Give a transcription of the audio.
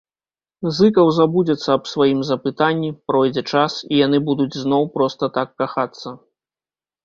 Зыкаў забудзецца аб сваім запытанні, пройдзе час, і яны будуць зноў проста так кахацца.